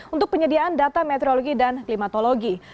untuk penyediaan data meteorologi dan klimatologi